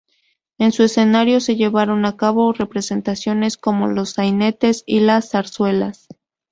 En su escenario se llevaron a cabo representaciones como los sainetes y las zarzuelas.